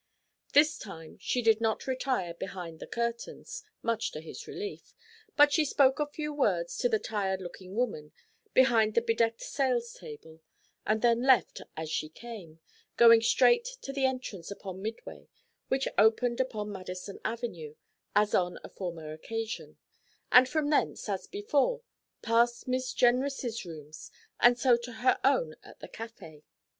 This time she did not retire behind the curtains, much to his relief, but she spoke a few words to the 'tired looking woman' behind the bedecked sales table, and then left as she came, going straight to the entrance upon Midway which opened upon Madison Avenue, as on a former occasion, and from thence, as before, past Miss Jenrys' rooms, and so to her own at the café.